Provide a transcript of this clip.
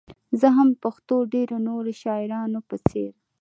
زه هم د پښتو ډېرو نورو شاعرانو په څېر.